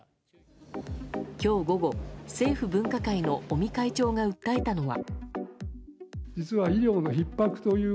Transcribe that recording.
今日午後政府分科会の尾身会長が訴えたのは。